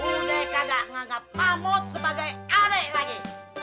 udah kagak nganggap mahmud sebagai anek lagi